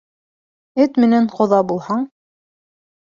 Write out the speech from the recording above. Эт менән ҡоҙа булһаң